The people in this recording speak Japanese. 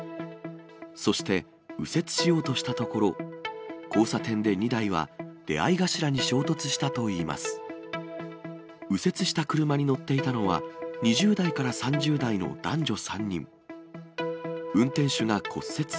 そして右折しようとしたところ、交差点で２台は出会い頭に衝突したといいます。